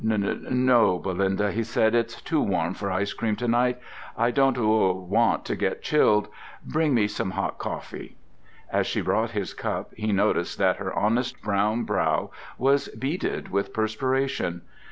"N no, Belinda," he said. "It's too warm for ice cream to night. I don't w—want to get chilled. Bring me some hot coffee." As she brought his cup he noticed that her honest brown brow was beaded with perspiration.